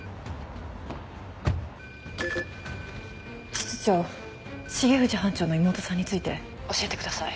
室長重藤班長の妹さんについて教えてください。